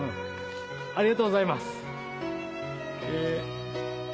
ありがとうございます。